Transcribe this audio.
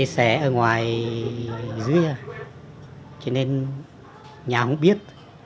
xe ở ngoài dưới cho nên nhà không biết